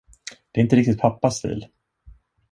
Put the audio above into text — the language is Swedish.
Det är inte riktigt pappas stil.